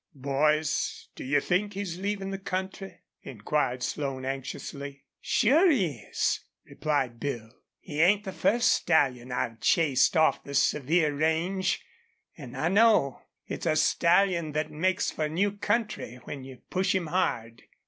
"Boys, do you think he's leavin' the country?" inquired Slone, anxiously. "Sure he is," replied Bill. "He ain't the first stallion I've chased off the Sevier range. An' I know. It's a stallion thet makes for new country, when you push him hard."